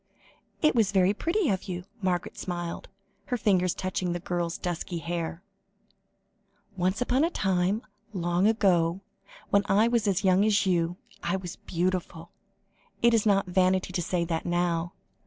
"It was very pretty of you," Margaret smiled, her fingers touching the girl's dusky hair. "Once upon a time, long ago, when I was as young as you, I was beautiful; it is not vanity to say that now.